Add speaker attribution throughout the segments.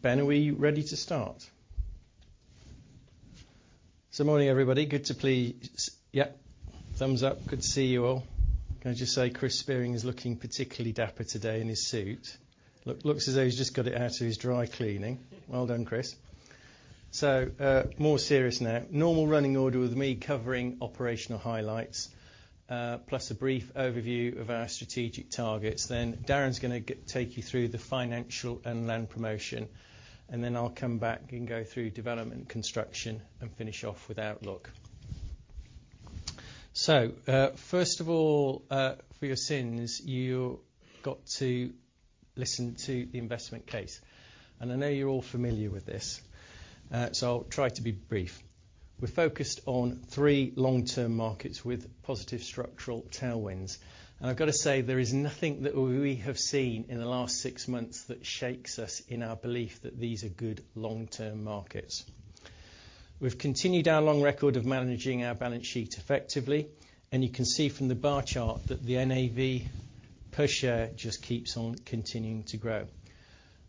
Speaker 1: Ben, are we ready to start? Morning everybody. Good. Yeah, thumbs up. Good to see you all. Can I just say, Chris Spearing is looking particularly dapper today in his suit. Look, looks as though he's just got it out to his dry cleaning. Well done, Chris. More serious now. Normal running order with me covering operational highlights, plus a brief overview of our strategic targets. Darren's going to take you through the financial and land promotion, and then I'll come back and go through development, construction, and finish off with outlook. First of all, for your sins, you got to listen to the investment case. I know you're all familiar with this, so I'll try to be brief. We're focused on three long-term markets with positive structural tailwinds. I've gotta say, there is nothing that we have seen in the last six months that shakes us in our belief that these are good long-term markets. We've continued our long record of managing our balance sheet effectively, and you can see from the bar chart that the NAV per share just keeps on continuing to grow.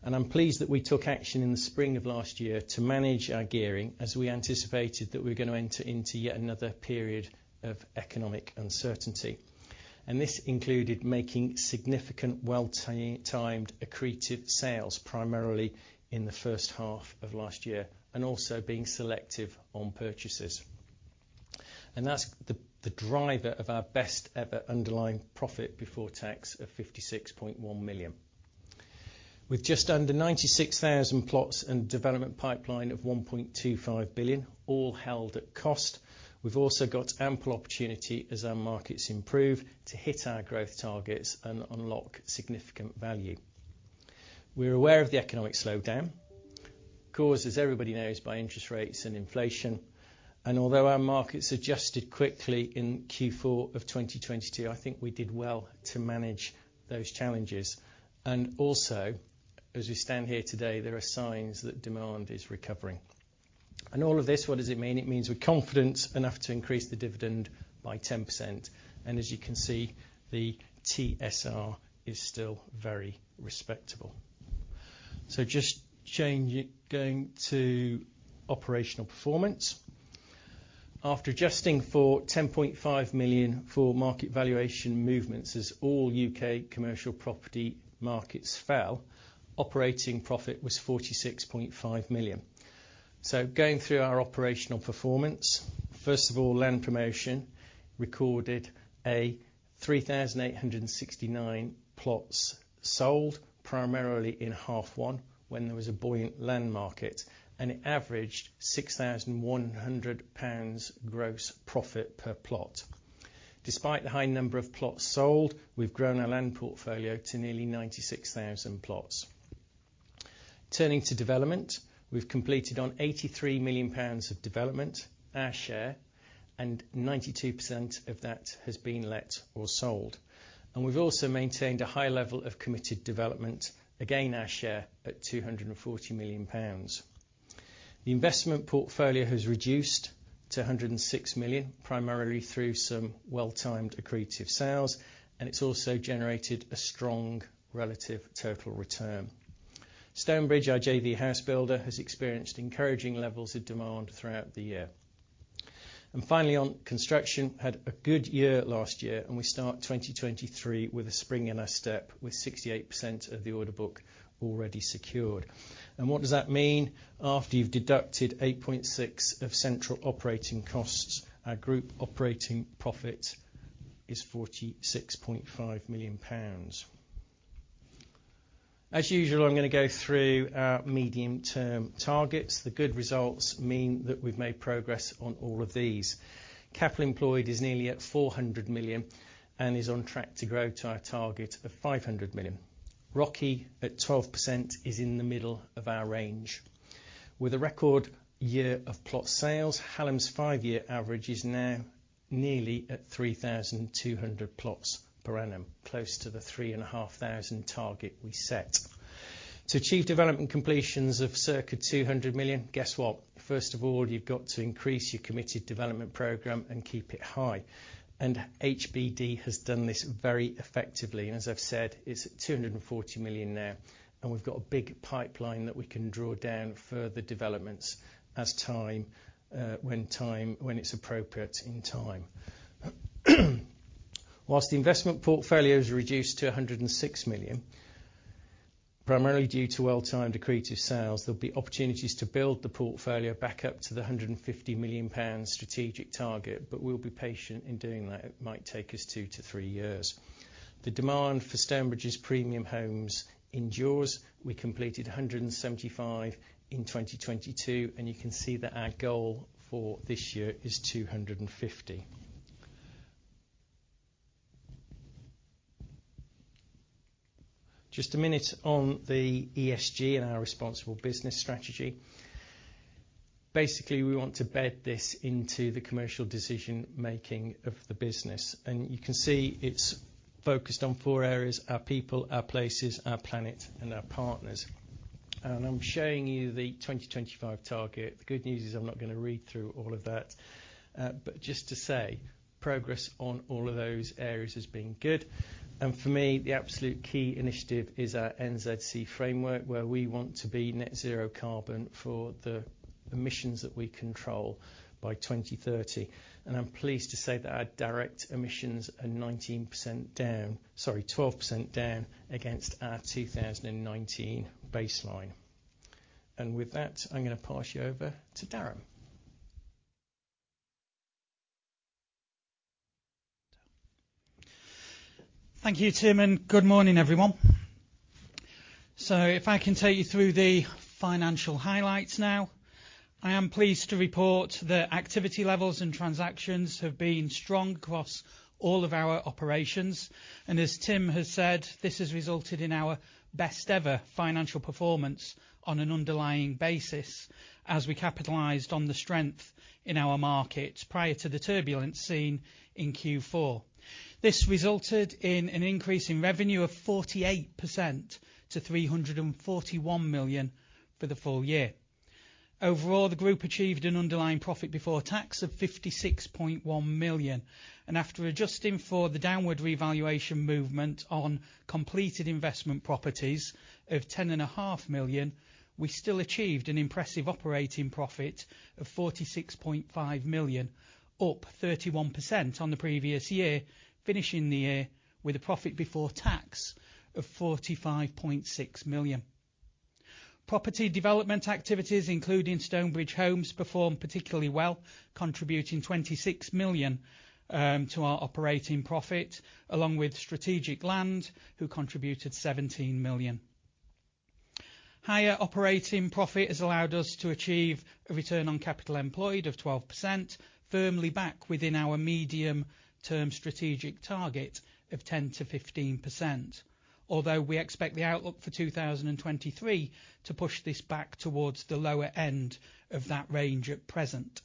Speaker 1: I'm pleased that we took action in the spring of last year to manage our gearing as we anticipated that we were gonna enter into yet another period of economic uncertainty. This included making significant well-timed accretive sales, primarily in the first half of last year, and also being selective on purchases. That's the driver of our best ever underlying profit before tax of 56.1 million. With just under 96,000 plots and development pipeline of 1.25 billion, all held at cost, we've also got ample opportunity as our markets improve to hit our growth targets and unlock significant value. We're aware of the economic slowdown, caused, as everybody knows, by interest rates and inflation. Although our markets adjusted quickly in Q4 of 2022, I think we did well to manage those challenges. Also, as we stand here today, there are signs that demand is recovering. All of this, what does it mean? It means we're confident enough to increase the dividend by 10%. As you can see, the TSR is still very respectable. Going to operational performance. After adjusting for 10.5 million for market valuation movements as all U.K. commercial property markets fell, operating profit was 46.5 million. Going through our operational performance. First of all, land promotion recorded 3,869 plots sold, primarily in half 1, when there was a buoyant land market, and it averaged 6,100 pounds gross profit per plot. Despite the high number of plots sold, we've grown our land portfolio to nearly 96,000 plots. Turning to development, we've completed on 83 million pounds of development, our share, and 92% of that has been let or sold. We've also maintained a high level of committed development, again, our share, at 240 million pounds. The investment portfolio has reduced to 106 million, primarily through some well-timed accretive sales, and it's also generated a strong relative total return. Stonebridge, our JV house builder, has experienced encouraging levels of demand throughout the year. Finally, on construction, had a good year last year, and we start 2023 with a spring in our step with 68% of the order book already secured. What does that mean? After you've deducted 8.6 of central operating costs, our group operating profit is 46.5 million pounds. As usual, I'm gonna go through our medium-term targets. The good results mean that we've made progress on all of these. Capital employed is nearly at 400 million and is on track to grow to our target of 500 million. ROCE at 12% is in the middle of our range. With a record year of plot sales, Hallam's five-year average is now nearly at 3,200 plots per annum, close to the 3,500 target we set. To achieve development completions of circa 200 million, guess what? First of all, you've got to increase your committed development program and keep it high. HBD has done this very effectively. As I've said, it's at 240 million now, and we've got a big pipeline that we can draw down further developments as time, when it's appropriate in time. Whilst the investment portfolio is reduced to 106 million, primarily due to well-timed accretive sales, there'll be opportunities to build the portfolio back up to the 150 million pounds strategic target, we'll be patient in doing that. It might take us two-three years. The demand for Stonebridge's premium homes endures. We completed 175 in 2022, you can see that our goal for this year is 250. Just a minute on the ESG and our responsible business strategy. Basically, we want to bed this into the commercial decision-making of the business. You can see it's focused on four areas, our people, our places, our planet, and our partners. I'm showing you the 2025 target. The good news is I'm not gonna read through all of that. Just to say, progress on all of those areas has been good. For me, the absolute key initiative is our NZC framework, where we want to be net zero carbon for the emissions that we control by 2030. I'm pleased to say that our direct emissions are 19% down. Sorry, 12% down against our 2019 baseline. With that, I'm gonna pass you over to Darren.
Speaker 2: Thank you, Tim. Good morning, everyone. If I can take you through the financial highlights now. I am pleased to report that activity levels and transactions have been strong across all of our operations. As Tim has said, this has resulted in our best ever financial performance on an underlying basis as we capitalized on the strength in our markets prior to the turbulence seen in Q4. This resulted in an increase in revenue of 48% to 341 million for the full year. Overall, the group achieved an underlying profit before tax of 56.1 million. After adjusting for the downward revaluation movement on completed investment properties of 10.5 million, we still achieved an impressive operating profit of 46.5 million, up 31% on the previous year, finishing the year with a profit before tax of 45.6 million. Property development activities, including Stonebridge Homes, performed particularly well, contributing 26 million to our operating profit, along with Strategic Land, who contributed 17 million. Higher operating profit has allowed us to achieve a return on capital employed of 12%, firmly back within our medium-term strategic target of 10%-15%. Although we expect the outlook for 2023 to push this back towards the lower end of that range at present.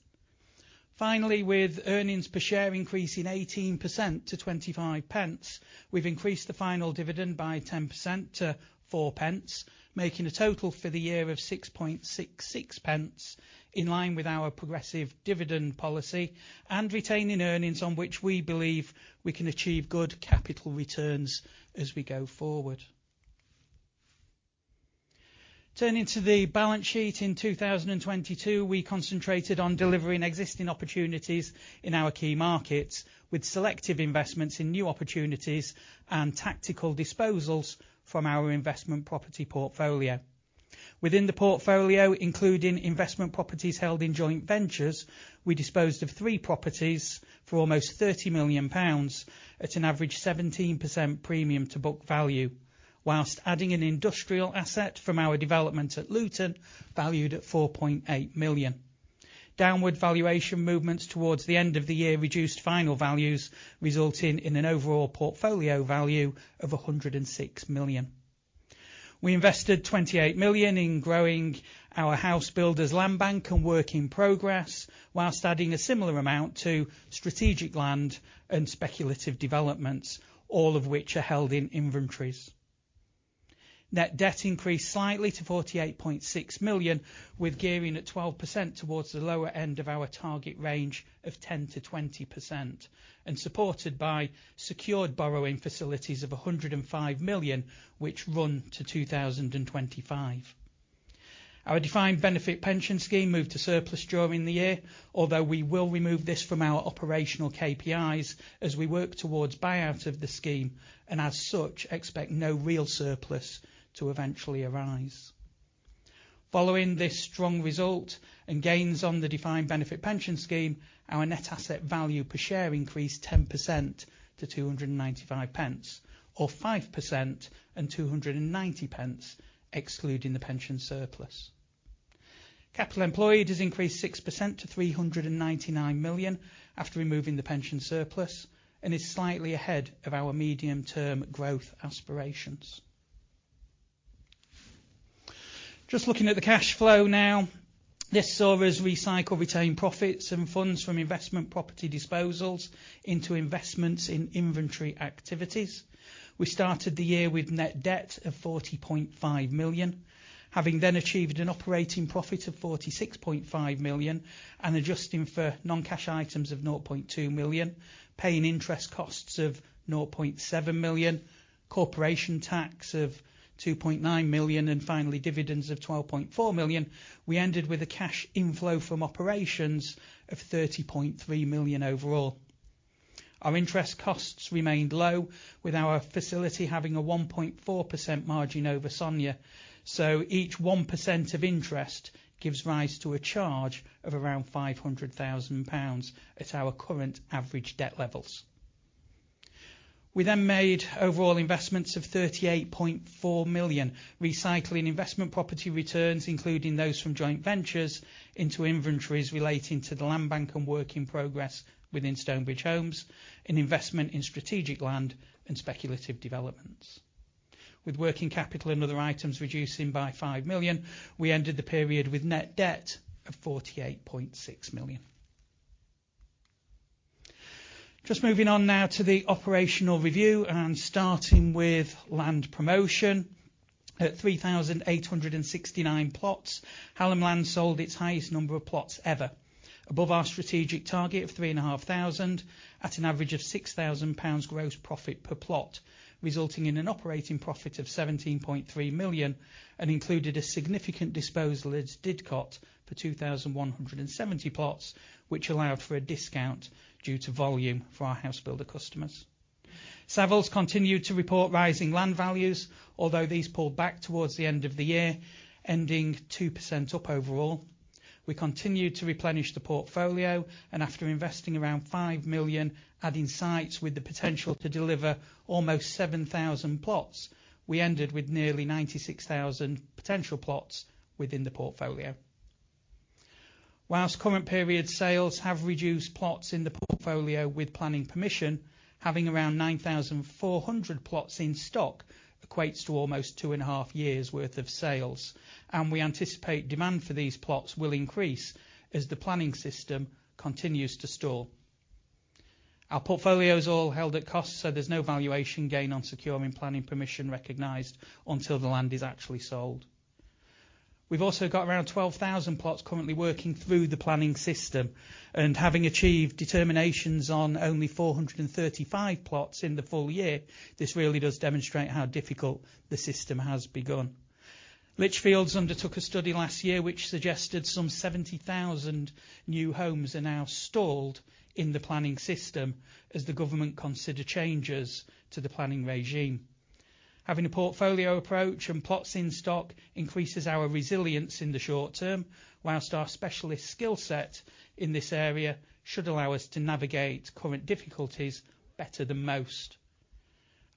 Speaker 2: Finally, with earnings per share increasing 18% to 0.25, we've increased the final dividend by 10% to 0.04, making a total for the year of 0.0666, in line with our progressive dividend policy and retaining earnings on which we believe we can achieve good capital returns as we go forward. Turning to the balance sheet. In 2022, we concentrated on delivering existing opportunities in our key markets with selective investments in new opportunities and tactical disposals from our investment property portfolio. Within the portfolio, including investment properties held in joint ventures, we disposed of 3 properties for almost 30 million pounds at an average 17% premium to book value, whilst adding an industrial asset from our development at Luton, valued at 4.8 million. Downward valuation movements towards the end of the year reduced final values, resulting in an overall portfolio value of 106 million. We invested 28 million in growing our housebuilders landbank and work in progress whilst adding a similar amount to strategic land and speculative developments, all of which are held in inventories. Net debt increased slightly to 48.6 million, with gearing at 12% towards the lower end of our target range of 10%-20% and supported by secured borrowing facilities of 105 million, which run to 2025. Our defined benefit pension scheme moved to surplus during the year, although we will remove this from our operational KPIs as we work towards buyout of the scheme, and as such, expect no real surplus to eventually arise. Following this strong result and gains on the defined benefit pension scheme, our net asset value per share increased 10% to 2.95, or 5% and 2.90 excluding the pension surplus. Capital employed has increased 6% to 399 million after removing the pension surplus and is slightly ahead of our medium-term growth aspirations. Just looking at the cash flow now. This saw us recycle retained profits and funds from investment property disposals into investments in inventory activities. We started the year with net debt of 40.5 million, having then achieved an operating profit of 46.5 million and adjusting for non-cash items of 0.2 million, paying interest costs of 0.7 million, corporation tax of 2.9 million, and finally, dividends of 12.4 million, we ended with a cash inflow from operations of 30.3 million overall. Our interest costs remained low, with our facility having a 1.4% margin over SONIA. Each 1% of interest gives rise to a charge of around 500,000 pounds at our current average debt levels. We then made overall investments of 38.4 million, recycling investment property returns, including those from joint ventures into inventories relating to the landbank and work in progress within Stonebridge Homes, an investment in strategic land and speculative developments. With working capital and other items reducing by 5 million, we ended the period with net debt of 48.6 million. Just moving on now to the operational review and starting with land promotion. At 3,869 plots, Hallam Land sold its highest number of plots ever above our strategic target of 3,500 at an average of 6,000 pounds gross profit per plot, resulting in an operating profit of 17.3 million, and included a significant disposal at Didcot for 2,170 plots, which allowed for a discount due to volume for our house builder customers. Savills continued to report rising land values although these pulled back towards the end of the year, ending 2% up overall. We continued to replenish the portfolio after investing around 5 million adding sites with the potential to deliver almost 7,000 plots, we ended with nearly 96,000 potential plots within the portfolio. Whilst current period sales have reduced plots in the portfolio with planning permission, having around 9,400 plots in stock equates to almost 2.5 years worth of sales, we anticipate demand for these plots will increase as the planning system continues to stall. Our portfolio is all held at cost, there's no valuation gain on securing planning permission recognized until the land is actually sold. We've also got around 12,000 plots currently working through the planning system having achieved determinations on only 435 plots in the full year, this really does demonstrate how difficult the system has begun. Lichfields undertook a study last year which suggested some 70,000 new homes are now stalled in the planning system as the government consider changes to the planning regime. Having a portfolio approach and plots in stock increases our resilience in the short term, whilst our specialist skill set in this area should allow us to navigate current difficulties better than most.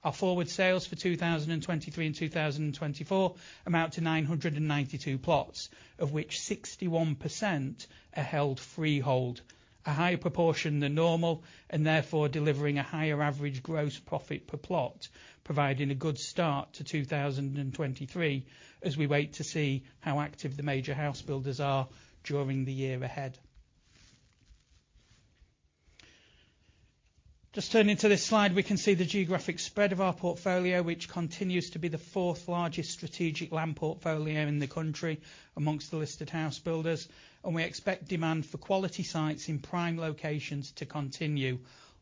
Speaker 2: Our forward sales for 2023 and 2024 amount to 992 plots, of which 61% are held freehold. A higher proportion than normal and therefore delivering a higher average gross profit per plot, providing a good start to 2023 as we wait to see how active the major house builders are during the year ahead. Just turning to this slide, we can see the geographic spread of our portfolio, which continues to be the fourth largest strategic land portfolio in the country amongst the listed house builders, and we expect demand for quality sites in prime locations to continue.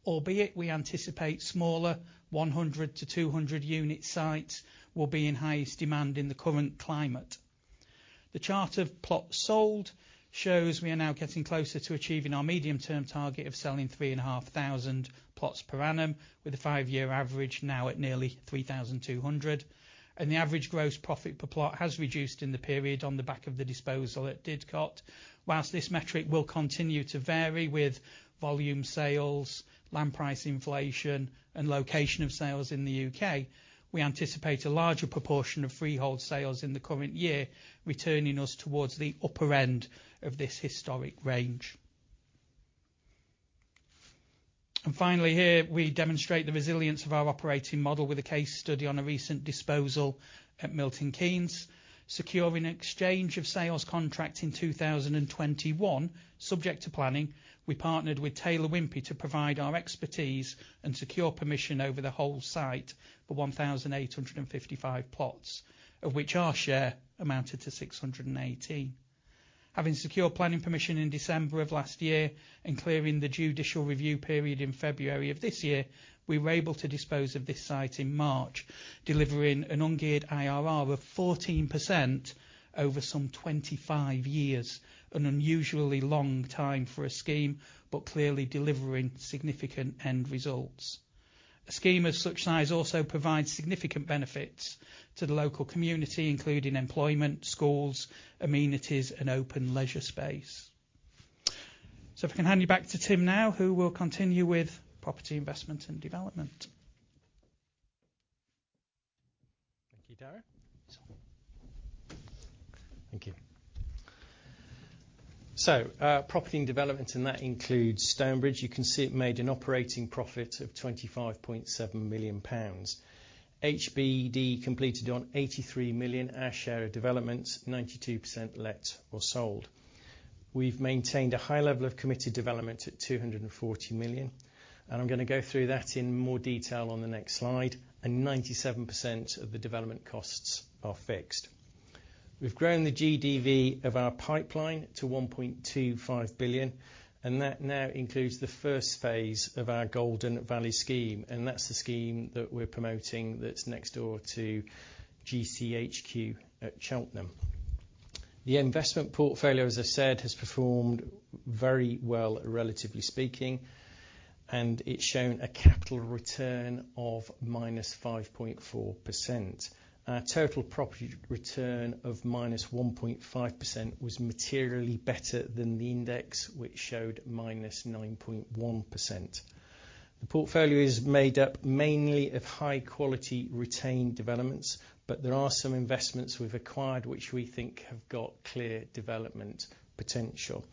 Speaker 2: Albeit we anticipate smaller 100-200 unit sites will be in highest demand in the current climate. The chart of plots sold shows we are now getting closer to achieving our medium-term target of selling 3,500 plots per annum, with a five-year average now at nearly 3,200. The average gross profit per plot has reduced in the period on the back of the disposal at Didcot. Whilst this metric will continue to vary with volume sales, land price inflation and location of sales in the U.K., we anticipate a larger proportion of freehold sales in the current year, returning us towards the upper end of this historic range. Finally here, we demonstrate the resilience of our operating model with a case study on a recent disposal at Milton Keynes, securing exchange of sales contract in 2021. Subject to planning, we partnered with Taylor Wimpey to provide our expertise and secure permission over the whole site for 1,855 plots, of which our share amounted to 680. Having secure planning permission in December of last year and clearing the judicial review period in February of this year, we were able to dispose of this site in March, delivering an ungeared IRR of 14% over some 25 years, an unusually long time for a scheme, but clearly delivering significant end results. A scheme of such size also provides significant benefits to the local community, including employment, schools, amenities, and open leisure space. If I can hand you back to Tim now who will continue with property investment and development.
Speaker 1: Thank you, Darren. Thank you. Property and development, and that includes Stonebridge. You can see it made an operating profit of 25.7 million pounds. HBD completed on 83 million, our share of developments, 92% let or sold. We've maintained a high level of committed development at 240 million, and I'm gonna go through that in more detail on the next slide, and 97% of the development costs are fixed. We've grown the GDV of our pipeline to 1.25 billion, and that now includes the first phase of our Golden Valley scheme, and that's the scheme that we're promoting that's next door to GCHQ at Cheltenham. The investment portfolio, as I said, has performed very well, relatively speaking, and it's shown a capital return of -5.4%. Our total property return of -1.5% was materially better than the index, which showed -9.1%. The portfolio is made up mainly of high-quality retained developments, but there are some investments we've acquired which we think have got clear development potential.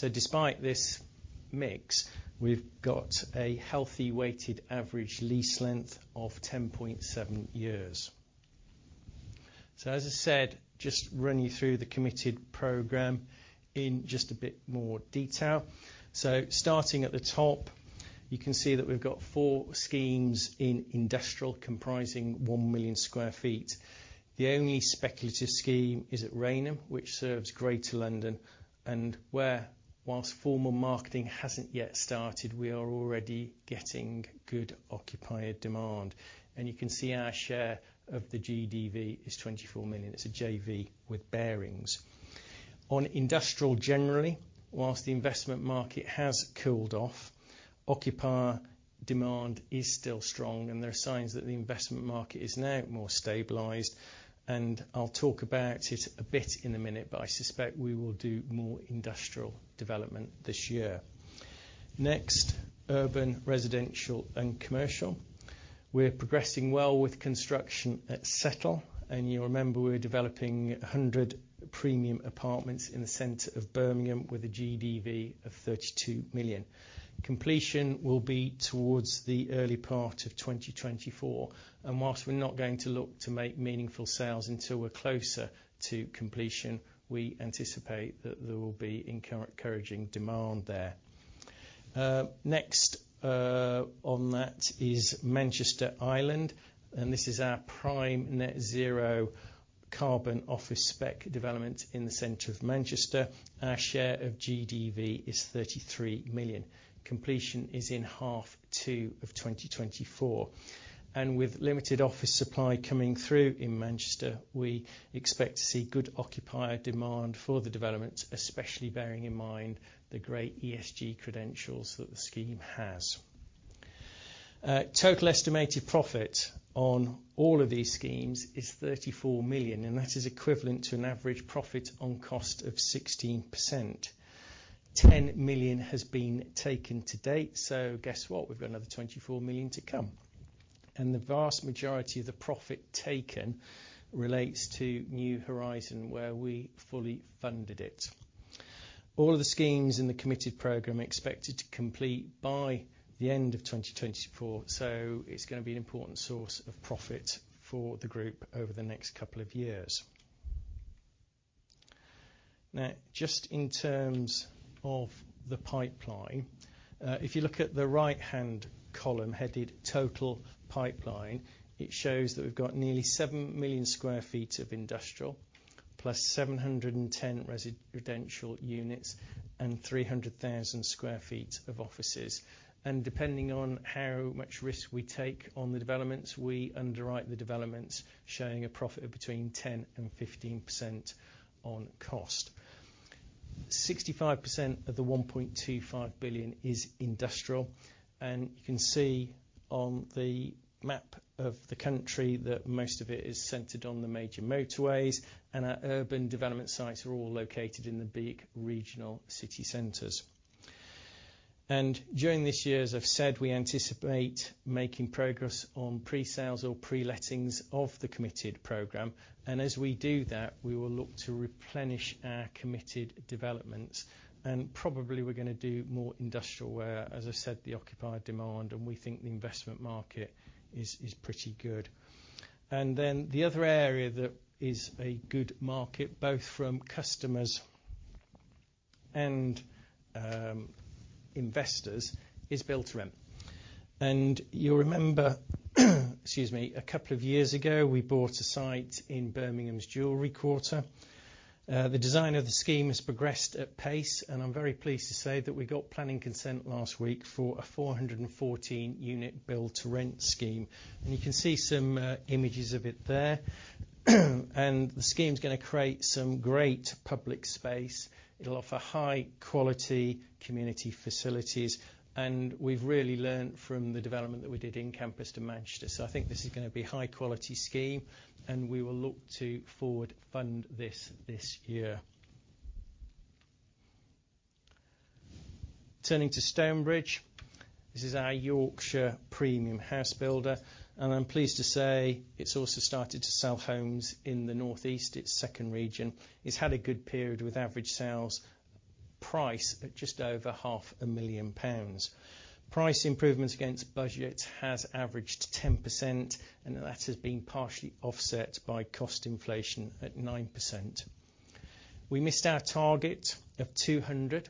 Speaker 1: Despite this mix, we've got a healthy weighted average lease length of 10.7 years. As I said, just running you through the committed program in just a bit more detail. Starting at the top, you can see that we've got four schemes in industrial comprising 1 million sq ft. The only speculative scheme is at Rainham, which serves greater London, and where whilst formal marketing hasn't yet started, we are already getting good occupier demand. You can see our share of the GDV is 24 million. It's a JV with Barings. On industrial generally, whilst the investment market has cooled off, occupier demand is still strong, and there are signs that the investment market is now more stabilized. I'll talk about it a bit in a minute, but I suspect we will do more industrial development this year. Next, urban, residential and commercial. We're progressing well with construction at Setl. You remember we're developing 100 premium apartments in the center of Birmingham with a GDV of 32 million. Completion will be towards the early part of 2024. Whilst we're not going to look to make meaningful sales until we're closer to completion, we anticipate that there will be encouraging demand there. Next, on that is Manchester Island, and this is our prime net zero carbon office spec development in the center of Manchester. Our share of GDV is 33 million. Completion is in H2 of 2024. With limited office supply coming through in Manchester, we expect to see good occupier demand for the development, especially bearing in mind the great ESG credentials that the scheme has. Total estimated profit on all of these schemes is 34 million, and that is equivalent to an average profit on cost of 16%. 10 million has been taken to date. Guess what? We've got another 24 million to come. The vast majority of the profit taken relates to New Horizon, where we fully funded it. All of the schemes in the committed program are expected to complete by the end of 2024, so it's gonna be an important source of profit for the group over the next couple of years. Now, just in terms of the pipeline, if you look at the right-hand column headed Total Pipeline, it shows that we've got nearly 7 million sq ft of industrial plus 710 residential units and 300,000 sq ft of offices. Depending on how much risk we take on the developments, we underwrite the developments showing a profit of between 10%-15% on cost. 65% of the 1.25 billion is industrial. You can see on the map of the country that most of it is centered on the major motorways. Our urban development sites are all located in the big regional city centers. During this year, as I've said, we anticipate making progress on pre-sales or pre-lettings of the committed program. As we do that, we will look to replenish our committed developments. Probably we're going to do more industrial where, as I said, the occupier demand, and we think the investment market is pretty good. The other area that is a good market, both from customers and investors, is build to rent. You remember, excuse me, a couple of years ago, we bought a site in Birmingham's Jewellery Quarter. The design of the scheme has progressed at pace, and I'm very pleased to say that we got planning consent last week for a 414 unit build to rent scheme. You can see some images of it there. The scheme's going to create some great public space. It'll offer high quality community facilities, and we've really learned from the development that we did in Kampus to Manchester. I think this is going to be high quality scheme. We will look to forward fund this year. Turning to Stonebridge, this is our Yorkshire premium house builder, and I'm pleased to say it's also started to sell homes in the Northeast, its second region. It's had a good period with average sales price at just over 500,000 pounds. Price improvements against budget has averaged 10%, and that has been partially offset by cost inflation at 9%. We missed our target of 200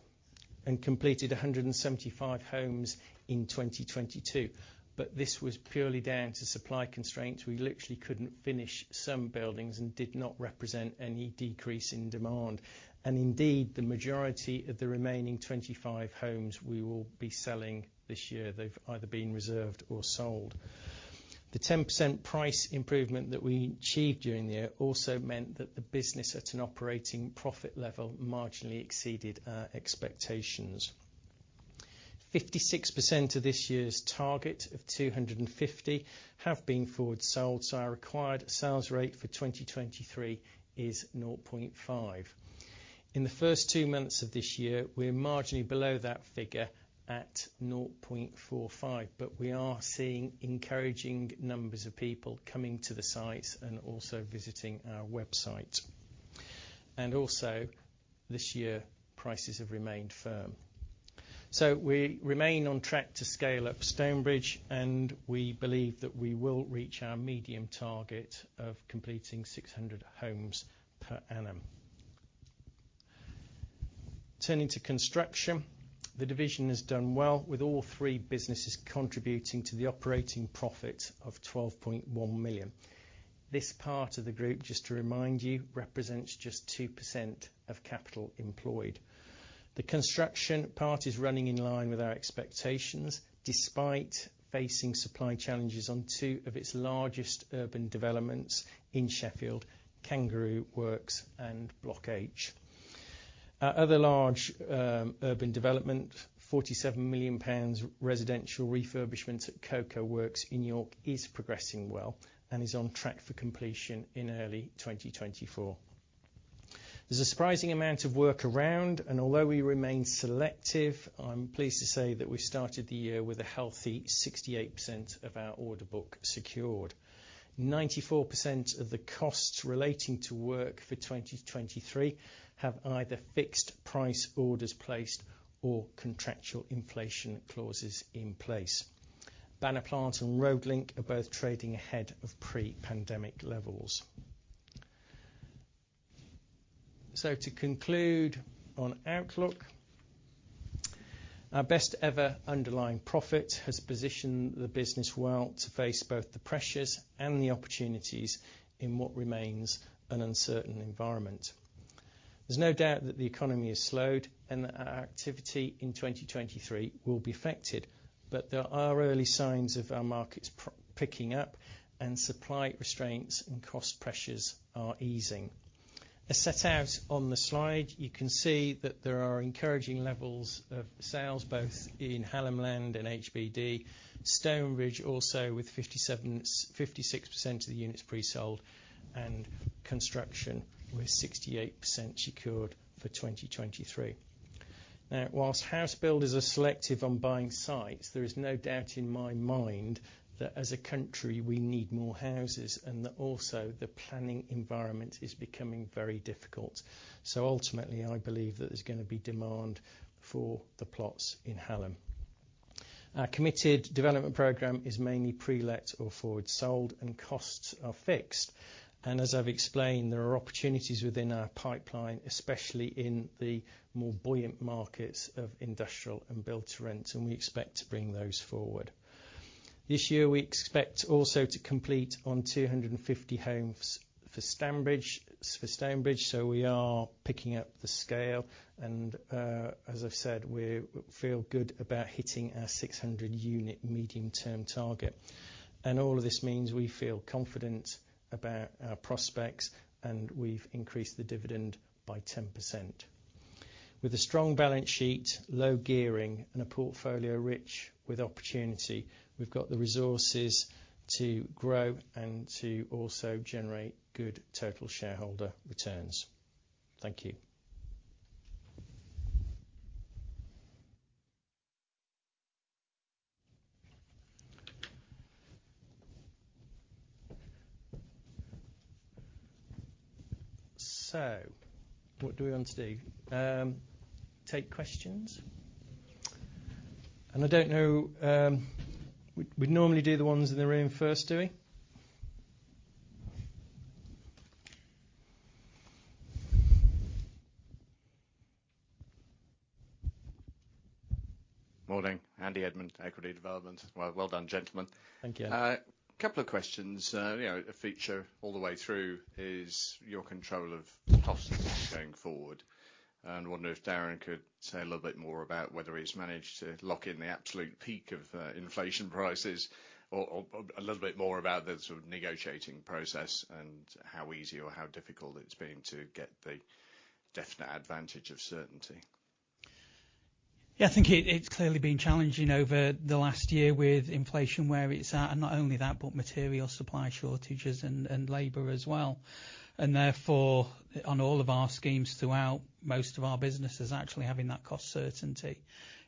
Speaker 1: and completed 175 homes in 2022, but this was purely down to supply constraints. We literally couldn't finish some buildings and did not represent any decrease in demand. Indeed, the majority of the remaining 25 homes we will be selling this year. They've either been reserved or sold. The 10% price improvement that we achieved during the year also meant that the business at an operating profit level marginally exceeded our expectations. 56% of this year's target of 250 have been forward sold. Our required sales rate for 2023 is 0.5. In the first two months of this year, we're marginally below that figure at 0.45, but we are seeing encouraging numbers of people coming to the site and also visiting our website. Also, this year prices have remained firm. We remain on track to scale up Stonebridge, and we believe that we will reach our medium target of completing 600 homes per annum. Turning to construction, the division has done well with all three businesses contributing to the operating profit of 12.1 million. This part of the group, just to remind you, represents just 2% of capital employed. The construction part is running in line with our expectations, despite facing supply challenges on two of its largest urban developments in Sheffield, Kangaroo Works and Block H. Our other large urban development, 47 million pounds residential refurbishment at The Cocoa Works in York, is progressing well and is on track for completion in early 2024. There's a surprising amount of work around, and although we remain selective, I'm pleased to say that we started the year with a healthy 68% of our order book secured. 94% of the costs relating to work for 2023 have either fixed price orders placed or contractual inflation clauses in place. Banner Plant and Road Link are both trading ahead of pre-pandemic levels. To conclude on outlook, our best ever underlying profit has positioned the business well to face both the pressures and the opportunities in what remains an uncertain environment. There's no doubt that the economy has slowed and that our activity in 2023 will be affected. There are early signs of our markets picking up and supply restraints and cost pressures are easing. As set out on the slide, you can see that there are encouraging levels of sales both in Hallam Land and HBD. Stonebridge also with 56% of the units pre-sold and construction with 68% secured for 2023. Whilst house builders are selective on buying sites, there is no doubt in my mind that as a country, we need more houses and that also the planning environment is becoming very difficult. Ultimately, I believe that there's going to be demand for the plots in Hallam. Our committed development program is mainly pre-let or forward sold and costs are fixed. As I've explained, there are opportunities within our pipeline, especially in the more buoyant markets of industrial and build to rent, and we expect to bring those forward. This year, we expect also to complete on 250 homes for Stonebridge, so we are picking up the scale. As I've said, we feel good about hitting our 600 unit medium-term target. All of this means we feel confident about our prospects, and we've increased the dividend by 10%. With a strong balance sheet, low gearing and a portfolio rich with opportunity, we've got the resources to grow and to also generate good total shareholder returns. Thank you. What do we want to do? Take questions. I don't know, we normally do the ones in the room first, do we?
Speaker 3: Morning. Andy Edmond, Equity Development. Well done, gentlemen.
Speaker 1: Thank you.
Speaker 3: A couple of questions. you know, a feature all the way through is your control of costs going forward. I wonder if Darren could say a little bit more about whether he's managed to lock in the absolute peak of inflation prices or a little bit more about the sort of negotiating process and how easy or how difficult it's been to get the definite advantage of certainty.
Speaker 2: Yeah, I think it's clearly been challenging over the last year with inflation where it's at. Not only that, but material supply shortages and labor as well. Therefore, on all of our schemes throughout most of our businesses, actually having that cost certainty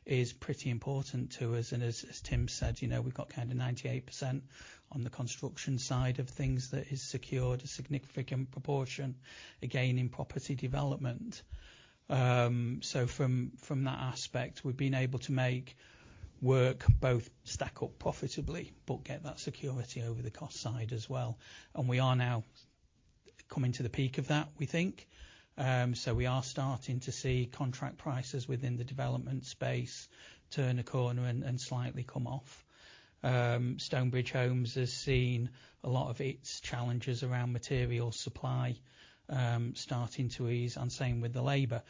Speaker 2: is pretty important to us. As Tim said, you know, we've got kind of 98% on the construction side of things that is secured. A significant proportion, again, in property development. So from that aspect, we've been able to make work both stack up profitably but get that security over the cost side as well. We are now coming to the peak of that, we think. So we are starting to see contract prices within the development space turn a corner and slightly come off. Stonebridge Homes has seen a lot of its challenges around material supply, starting to ease and same with the labor.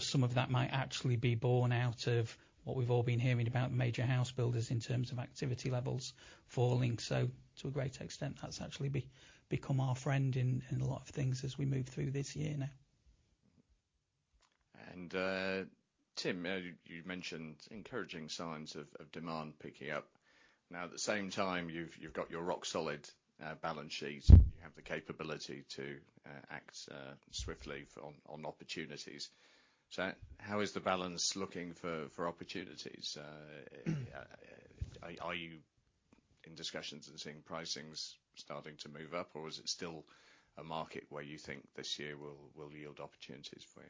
Speaker 2: Some of that might actually be born out of what we've all been hearing about major house builders in terms of activity levels falling. To a great extent, that's actually become our friend in a lot of things as we move through this year now.
Speaker 3: Tim, you mentioned encouraging signs of demand picking up. Now, at the same time, you've got your rock solid balance sheet. You have the capability to act swiftly on opportunities. How is the balance looking for opportunities? Are you in discussions and seeing pricings starting to move up, or is it still a market where you think this year will yield opportunities for you?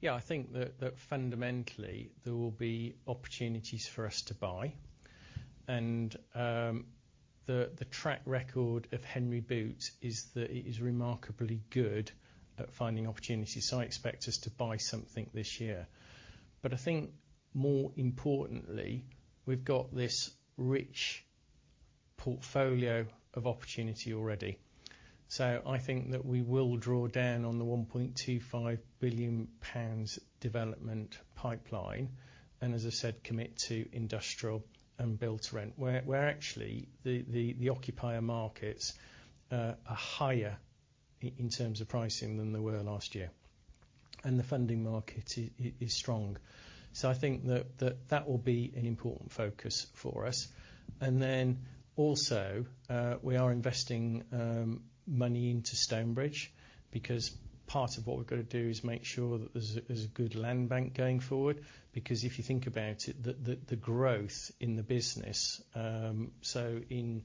Speaker 1: Yeah, I think that fundamentally, there will be opportunities for us to buy. The track record of Henry Boot is that it is remarkably good at finding opportunities, so I expect us to buy something this year. I think more importantly, we've got this rich portfolio of opportunity already. I think that we will draw down on the 1.25 billion pounds development pipeline, and as I said, commit to industrial and build to rent, where actually the occupier markets are higher in terms of pricing than they were last year. The funding market is strong. I think that will be an important focus for us. Also, we are investing money into Stonebridge, because part of what we've got to do is make sure that there's a good land bank going forward. If you think about it, the growth in the business, in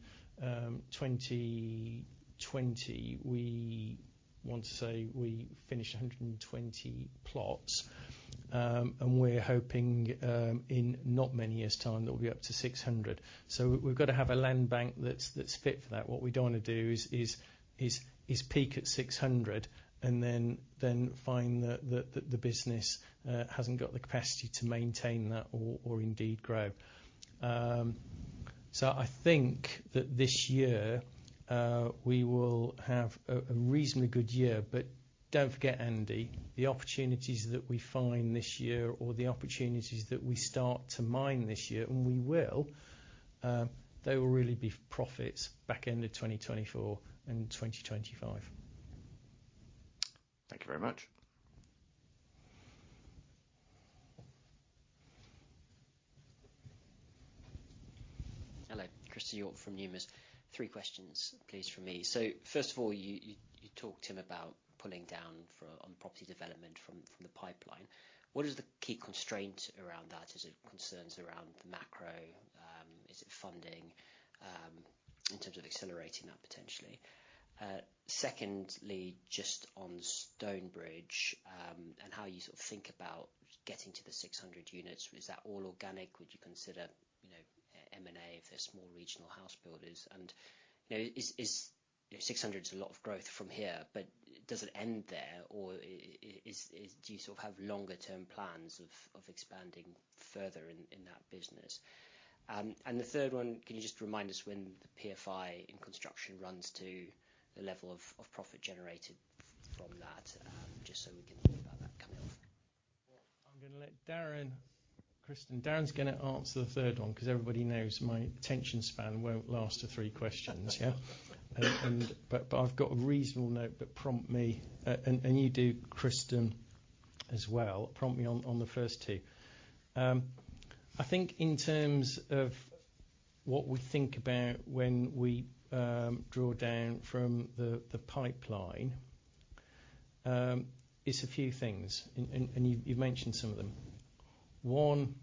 Speaker 1: 2020, we want to say we finished 120 plots, and we're hoping in not many years' time, that we'll be up to 600. We've got to have a land bank that's fit for that. What we don't want to do is peak at 600 and then find that the business hasn't got the capacity to maintain that or indeed grow. I think that this year, we will have a reasonably good year. Don't forget, Andy, the opportunities that we find this year or the opportunities that we start to mine this year, and we will, they will really be profits back end of 2024 and 2025.
Speaker 3: Thank you very much.
Speaker 4: Hello. Christen Hjorth from Numis. Three questions, please, from me. First of all, you talked, Tim, about pulling down for on property development from the pipeline. What is the key constraint around that? Is it concerns around the macro? Is it funding, in terms of accelerating that potentially? Secondly, just on Stonebridge, and how you sort of think about getting to the 600 units. Is that all organic? Would you consider, you know, M&A if they're small regional house builders? You know, is, you know, 600 is a lot of growth from here, but does it end there? Or do you sort of have longer term plans of expanding further in that business? The third one, can you just remind us when the PFI in construction runs to the level of profit generated from that, just so we can think about that coming up?
Speaker 1: I'm gonna let Darren, Christen, Darren's gonna answer the third one 'cause everybody knows my attention span won't last to three questions. Yeah. But I've got a reasonable note that prompt me, and you do Christen as well, prompt me on the first two. I think in terms of what we think about when we draw down from the pipeline, it's a few things and you've mentioned some of them. One,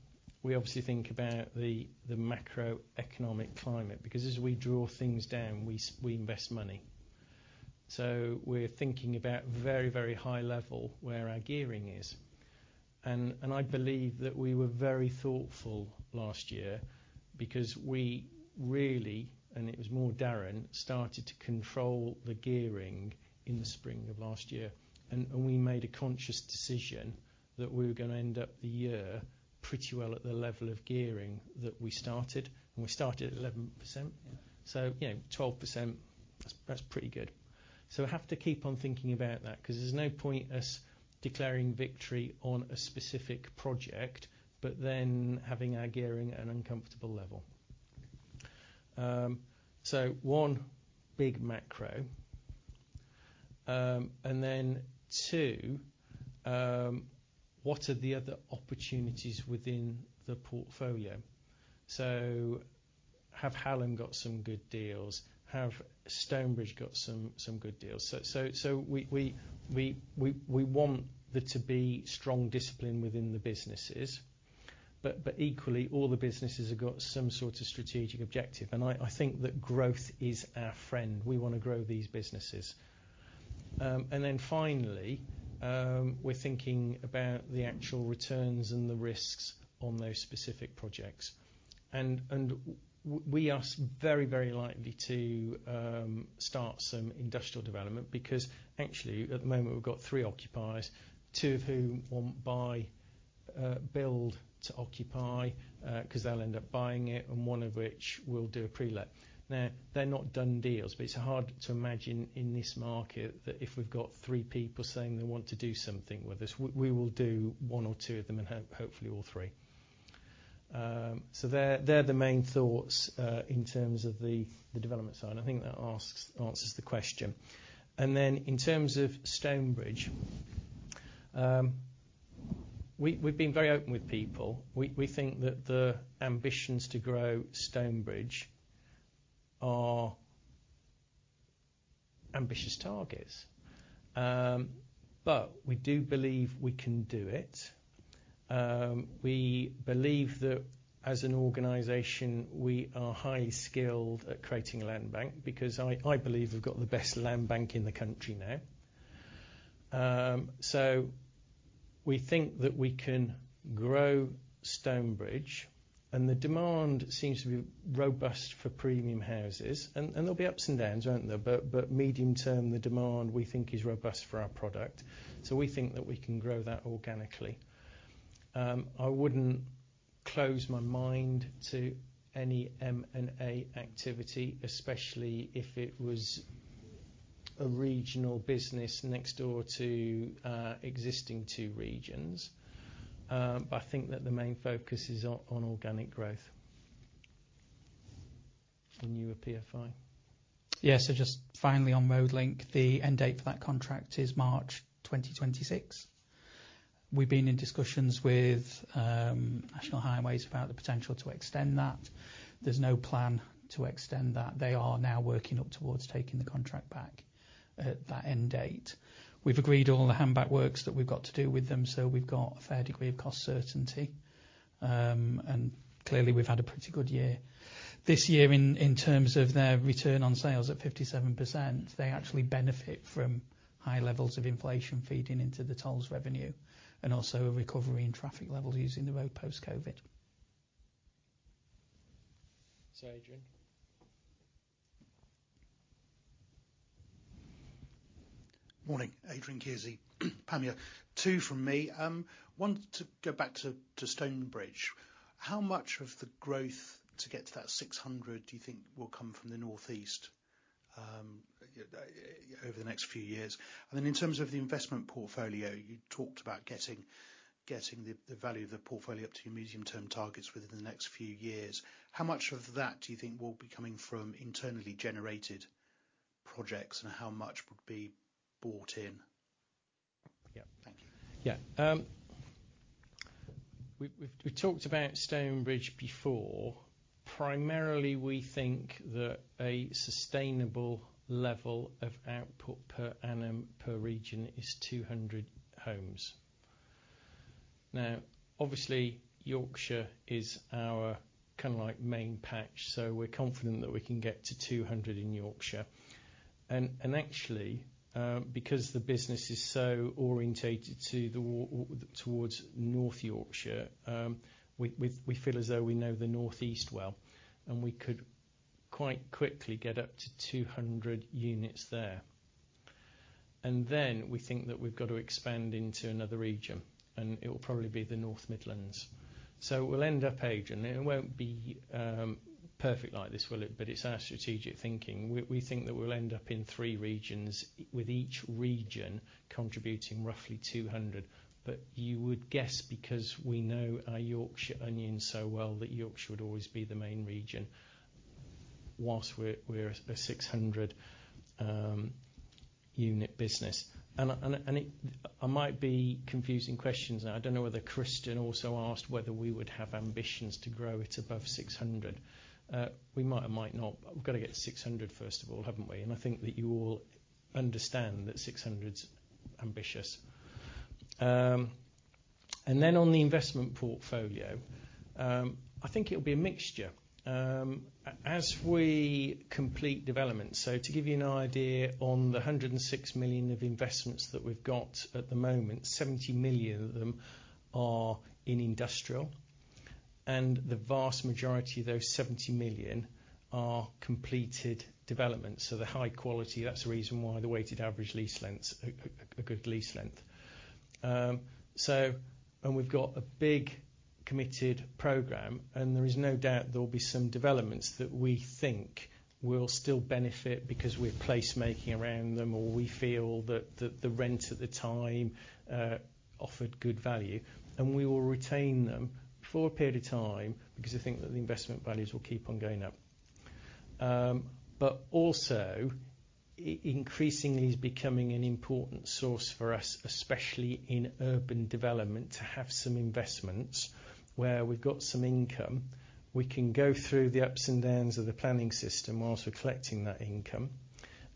Speaker 1: we obviously think about the macroeconomic climate, because as we draw things down, we invest money. We're thinking about very, very high level where our gearing is. I believe that we were very thoughtful last year because we really, and it was more Darren, started to control the gearing in the spring of last year. We made a conscious decision that we were gonna end up the year pretty well at the level of gearing that we started. We started at 11%.
Speaker 4: Yeah.
Speaker 1: You know, 12%, that's pretty good. We have to keep on thinking about that, 'cause there's no point us declaring victory on a specific project, but then having our gearing at an uncomfortable level. One, big macro. Two, what are the other opportunities within the portfolio? Have Hallam got some good deals? Have Stonebridge got some good deals? We want there to be strong discipline within the businesses, but equally, all the businesses have got some sort of strategic objective, and I think that growth is our friend. We wanna grow these businesses. Finally, we're thinking about the actual returns and the risks on those specific projects. We are very, very likely to start some industrial development because actually at the moment we've got three occupiers, two of whom want buy build to occupy 'cause they'll end up buying it, and one of which will do a pre-let. Now, they're not done deals, but it's hard to imagine in this market that if we've got three people saying they want to do something with us, we will do one or two of them, and hopefully all three. They're the main thoughts in terms of the development side. I think that answers the question. In terms of Stonebridge, we've been very open with people. We think that the ambitions to grow Stonebridge are Ambitious targets. We do believe we can do it. We believe that as an organization, we are highly skilled at creating a land bank because I believe we've got the best land bank in the country now. We think that we can grow Stonebridge, and the demand seems to be robust for premium houses. There'll be ups and downs, won't there? Medium-term, the demand we think is robust for our product, so we think that we can grow that organically. I wouldn't close my mind to any M&A activity, especially if it was a regional business next door to existing two regions. I think that the main focus is on organic growth. You at PFI.
Speaker 2: Yes. Just finally, on Road Link, the end date for that contract is March 2026. We've been in discussions with National Highways about the potential to extend that. There's no plan to extend that. They are now working up towards taking the contract back at that end date. We've agreed all the hand back works that we've got to do with them, so we've got a fair degree of cost certainty. Clearly we've had a pretty good year. This year in terms of their return on sales at 57%, they actually benefit from high levels of inflation feeding into the tolls revenue and also a recovery in traffic levels using the road post-COVID.
Speaker 1: Adrian.
Speaker 5: Morning. Adrian Kearsey, Panmure. Two from me. Want to go back to Stonebridge. How much of the growth to get to that 600 do you think will come from the Northeast over the next few years? In terms of the investment portfolio, you talked about getting the value of the portfolio up to your medium-term targets within the next few years. How much of that do you think will be coming from internally generated projects, and how much would be bought in? Yeah. Thank you.
Speaker 1: Yeah. We've talked about Stonebridge before. Primarily, we think that a sustainable level of output per annum per region is 200 homes. Obviously, Yorkshire is our kinda like main patch, so we're confident that we can get to 200 in Yorkshire. Actually, because the business is so orientated towards North Yorkshire, we feel as though we know the Northeast well, and we could quite quickly get up to 200 units there. Then we think that we've got to expand into another region, and it will probably be the North Midlands. We'll end up, Adrian, it won't be perfect like this, will it? It's our strategic thinking. We think that we'll end up in three regions, with each region contributing roughly 200. You would guess, because we know our Yorkshire onions so well, that Yorkshire would always be the main region whilst we're a 600 unit business. I might be confusing questions now. I don't know whether Christen also asked whether we would have ambitions to grow it above 600. We might or might not, we've gotta get to 600, first of all, haven't we? I think that you all understand that 600's ambitious. On the investment portfolio, I think it'll be a mixture as we complete development. To give you an idea, on the 106 million of investments that we've got at the moment, 70 million of them are in industrial, and the vast majority of those 70 million are completed developments. They're high quality. That's the reason why the weighted average lease length's a good lease length. We've got a big committed program, and there is no doubt there will be some developments that we think will still benefit because we're placemaking around them, or we feel that the rent at the time offered good value, and we will retain them for a period of time because we think that the investment values will keep on going up. Increasingly is becoming an important source for us, especially in urban development, to have some investments where we've got some income. We can go through the ups and downs of the planning system whilst we're collecting that income,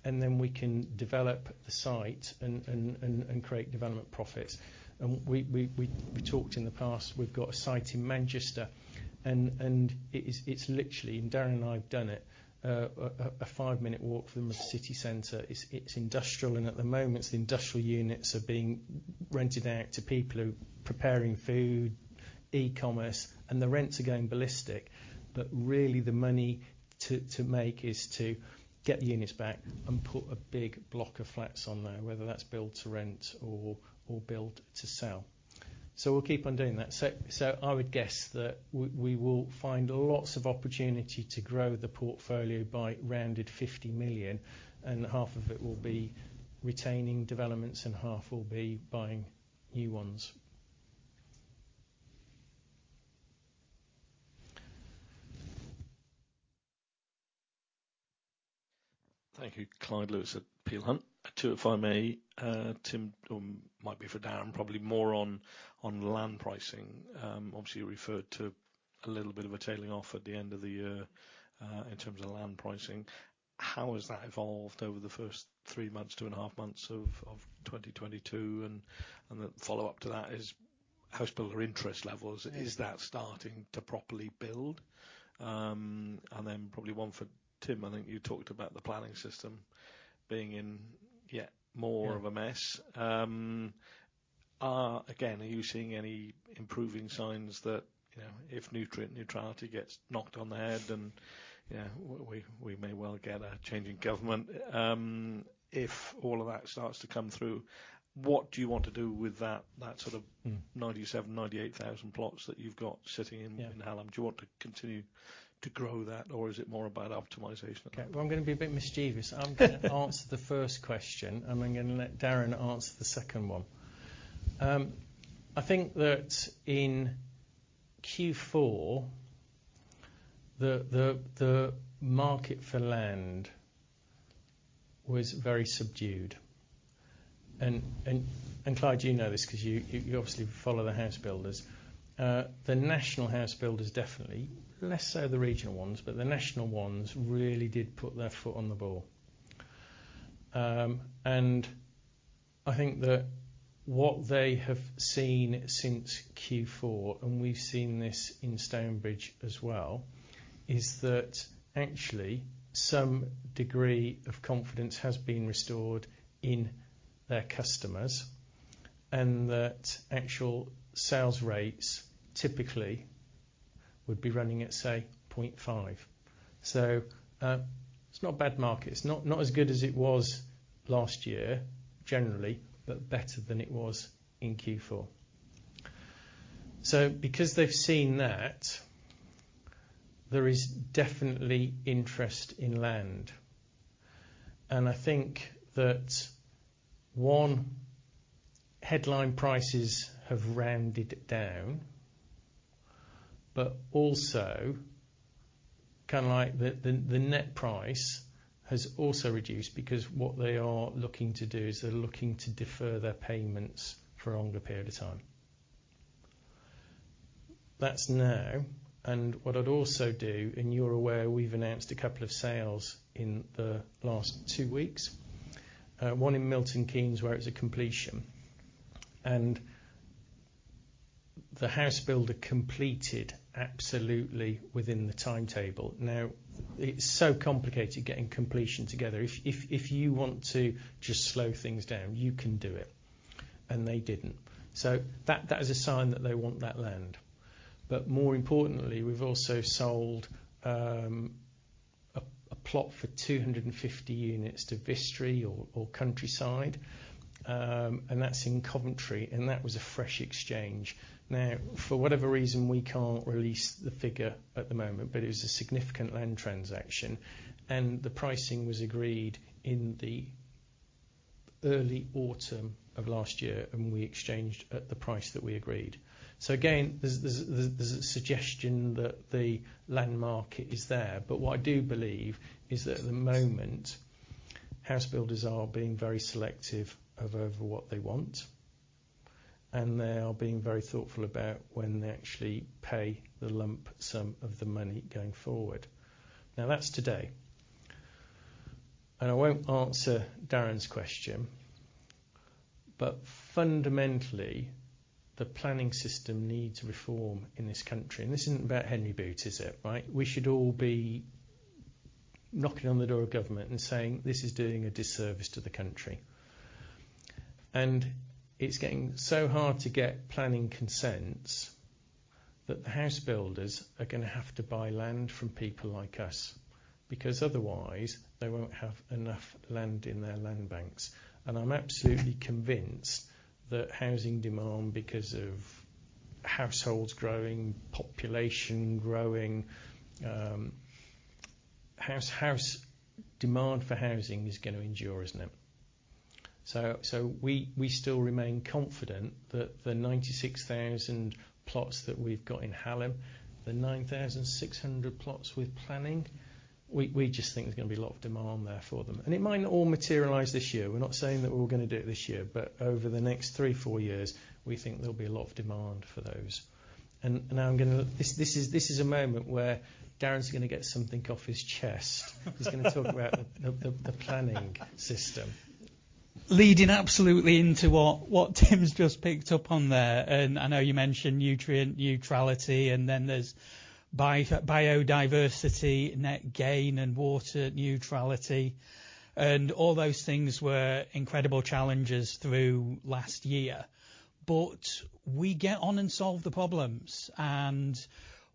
Speaker 1: and then we can develop the site and create development profits. We talked in the past, we've got a site in Manchester, and it's literally, and Darren and I have done it, a five-minute walk from the city center. It's industrial. At the moment the industrial units are being rented out to people who are preparing food, e-commerce, and the rents are going ballistic. Really the money to make is to get the units back and put a big block of flats on there, whether that's build to rent or build to sell. We'll keep on doing that. I would guess that we will find lots of opportunity to grow the portfolio by rounded 50 million, and half of it will be retaining developments and half will be buying new ones.
Speaker 6: Thank you. Clyde Lewis at Peel Hunt. Two, if I may, Tim, might be for Darren, probably more on land pricing. Obviously, you referred to a little bit of a tailing off at the end of the year, in terms of land pricing. How has that evolved over the first three months, 2.5 months of 2022? The follow-up to that is house builder interest levels.
Speaker 1: Yeah.
Speaker 6: Is that starting to properly build? Probably one for Tim. I think you talked about the planning system being in, yeah.
Speaker 1: Yeah.
Speaker 6: Of a mess. Again, are you seeing any improving signs that, you know, if nutrient neutrality gets knocked on the head and, you know, we may well get a change in government. If all of that starts to come through, what do you want to do with that sort of.
Speaker 1: Mm
Speaker 6: 97,000, 98,000 plots that you've got sitting in.
Speaker 1: Yeah
Speaker 6: In Hallam? Do you want to continue to grow that, or is it more about optimization?
Speaker 1: Okay. Well, I'm gonna be a bit mischievous. I'm gonna answer the first question, and I'm gonna let Darren answer the second one. I think that in Q4, the market for land was very subdued. Clyde, you know this 'cause you obviously follow the house builders. The national house builders definitely, less so the regional ones, but the national ones really did put their foot on the ball. I think that what they have seen since Q4, and we've seen this in Stonebridge as well, is that actually some degree of confidence has been restored in their customers and that actual sales rates typically would be running at, say, 0.5. It's not a bad market. It's not as good as it was last year generally, but better than it was in Q4. Because they've seen that, there is definitely interest in land, and I think that one, headline prices have rounded down, but also kinda like the net price has also reduced because what they are looking to do is they're looking to defer their payments for a longer period of time. That's now, what I'd also do, and you're aware we've announced two sales in the last two weeks. One in Milton Keynes where it was a completion, the house builder completed absolutely within the timetable. It's so complicated getting completion together. If you want to just slow things down, you can do it, they didn't. That is a sign that they want that land. More importantly, we've also sold a plot for 250 units to Vistry or Countryside, and that's in Coventry, and that was a fresh exchange. Now, for whatever reason, we can't release the figure at the moment, but it was a significant land transaction, and the pricing was agreed in the early autumn of last year, and we exchanged at the price that we agreed. Again, there's a suggestion that the land market is there, but what I do believe is that at the moment, house builders are being very selective over what they want, and they are being very thoughtful about when they actually pay the lump sum of the money going forward. That's today, and I won't answer Darren's question, but fundamentally, the planning system needs reform in this country, and this isn't about Henry Boot, is it? Right? We should all be knocking on the door of government and saying, "This is doing a disservice to the country." It's getting so hard to get planning consents that the house builders are gonna have to buy land from people like us, because otherwise, they won't have enough land in their land banks. I'm absolutely convinced that housing demand because of households growing, population growing, Demand for housing is gonna endure, isn't it? We still remain confident that the 96,000 plots that we've got in Hallam, the 9,600 plots with planning, we just think there's gonna be a lot of demand there for them. It might not all materialize this year. We're not saying that we're all gonna do it this year. Over the next three, four years, we think there'll be a lot of demand for those. Now this is a moment where Darren's gonna get something off his chest. He's gonna talk about the planning system.
Speaker 2: Leading absolutely into what Tim's just picked up on there, I know you mentioned nutrient neutrality, and then there's biodiversity net gain, and water neutrality, and all those things were incredible challenges through last year. We get on and solve the problems, and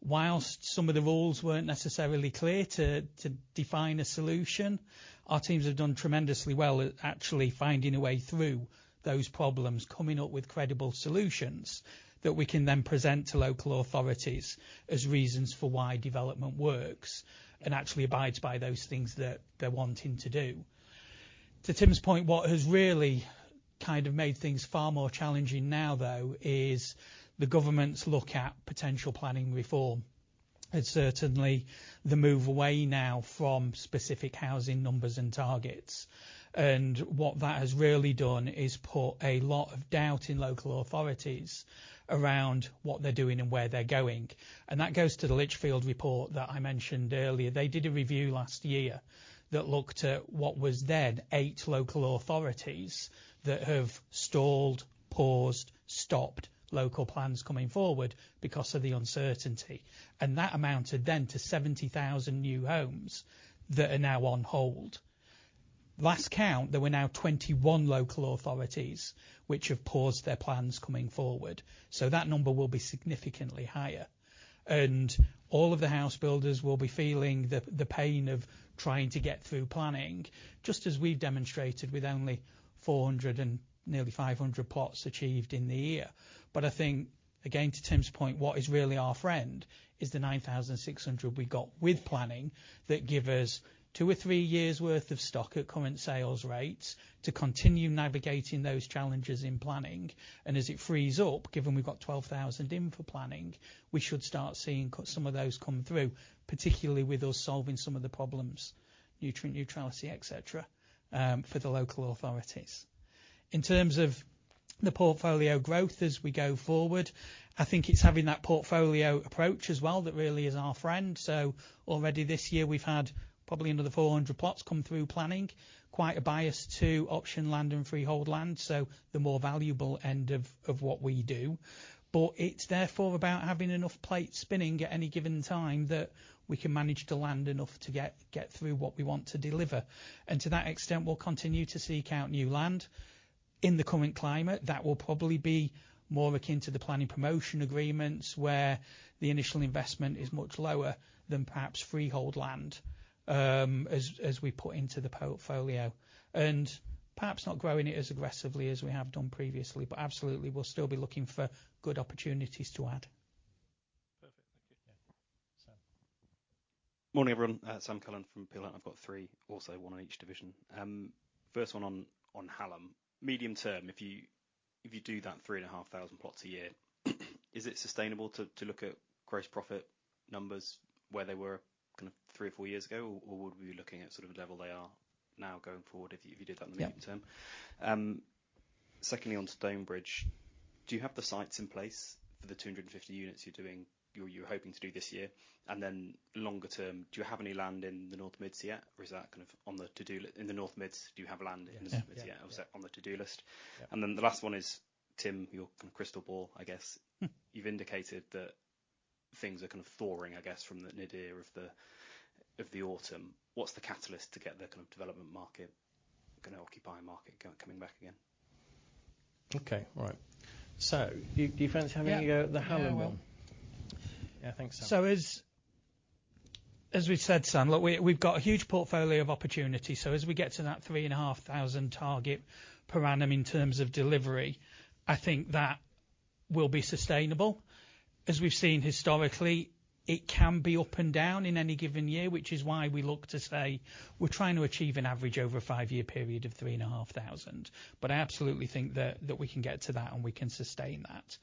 Speaker 2: whilst some of the rules weren't necessarily clear to define a solution, our teams have done tremendously well at actually finding a way through those problems, coming up with credible solutions that we can then present to local authorities as reasons for why development works and actually abides by those things that they're wanting to do. To Tim's point, what has really kind of made things far more challenging now, though, is the government's look at potential planning reform. Certainly the move away now from specific housing numbers and targets. What that has really done is put a lot of doubt in local authorities around what they're doing and where they're going. That goes to the Lichfields report that I mentioned earlier. They did a review last year that looked at what was then eight local authorities that have stalled, paused, stopped local plans coming forward because of the uncertainty. That amounted then to 70,000 new homes that are now on hold. Last count, there were now 21 local authorities which have paused their plans coming forward. That number will be significantly higher. All of the house builders will be feeling the pain of trying to get through planning, just as we've demonstrated with only 400 and nearly 500 plots achieved in the year. I think, again, to Tim's point, what is really our friend is the 9,600 we got with planning that give us two or three years worth of stock at current sales rates to continue navigating those challenges in planning. As it frees up, given we've got 12,000 in for planning, we should start seeing some of those come through, particularly with us solving some of the problems, nutrient neutrality, et cetera, for the local authorities. In terms of the portfolio growth as we go forward, I think it's having that portfolio approach as well that really is our friend. Already this year, we've had probably another 400 plots come through planning, quite a bias to option land and freehold land, so the more valuable end of what we do. It's therefore about having enough plates spinning at any given time that we can manage to land enough to get through what we want to deliver. To that extent, we'll continue to seek out new land. In the current climate, that will probably be more akin to the planning promotion agreements, where the initial investment is much lower than perhaps freehold land, as we put into the portfolio, and perhaps not growing it as aggressively as we have done previously. Absolutely, we'll still be looking for good opportunities to add.
Speaker 6: Perfect. Thank you.
Speaker 1: Yeah. Sam.
Speaker 7: Morning, everyone. Sam Cullen from Peel Hunt. I've got three, also, one on each division. First one on Hallam. Medium term, if you do that 3,500 plots a year, is it sustainable to look at gross profit numbers where they were kind of three or four years ago, or would we be looking at sort of the level they are now going forward if you did that in the medium term?
Speaker 2: Yeah.
Speaker 7: Secondly, on to Stonebridge. Do you have the sites in place for the 250 units you were hoping to do this year? Longer term, do you have any land in the North Midlands, or is that kind of in the North Mids, do you have land in the North Midlands?
Speaker 2: Yeah.
Speaker 7: Is that on the to-do list?
Speaker 2: Yeah.
Speaker 7: The last one is, Tim, your crystal ball, I guess. You've indicated that things are kind of thawing, I guess, from the nadir of the autumn. What's the catalyst to get the kind of development market, kind of occupying market coming back again?
Speaker 1: Okay. Right. Do you fancy having a go at the Hallam one?
Speaker 2: Yeah, I think so. As, as we said, Sam, look, we've got a huge portfolio of opportunities. As we get to that 3,500 target per annum in terms of delivery, I think that will be sustainable. As we've seen historically, it can be up and down in any given year, which is why we look to say we're trying to achieve an average over a five-year period of 3,500. I absolutely think that we can get to that and we can sustain that.